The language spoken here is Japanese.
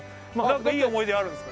なんかいい思い出あるんですか？